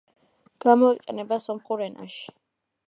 გამოიყენება სომხურ ენაში.